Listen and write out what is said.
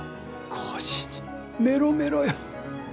コージーにメロメロよ。